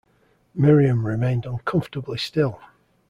Miriam remained uncomfortably still.